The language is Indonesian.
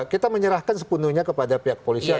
kita menyerahkan sepenuhnya kepada pihak polisian